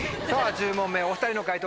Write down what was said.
１０問目お２人の解答